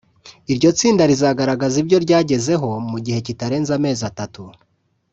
iryo tsinda rikazagaragaza ibyo ryagezeho mu gihe kitarenze amezi atatu